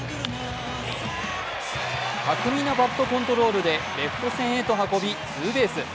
巧みなバットコントロールでレフト線へと運びツーベース。